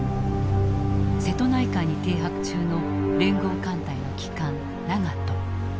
瀬戸内海に停泊中の聯合艦隊の旗艦長門。